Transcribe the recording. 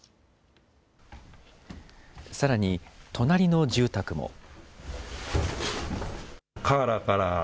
さらに隣の住宅も。